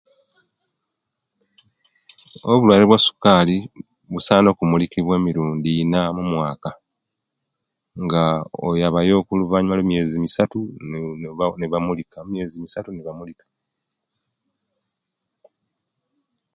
Obulwaire bwa sukali busana okumulikiwa emirundi ina mumwaka nga oyaba yo oluvanyuma lwemyezi misatu nebamulika, emyezi misatu nebamulika